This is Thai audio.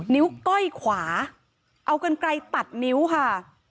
นิ้วก้อยขวาเอากันไกลตัดนิ้วค่ะ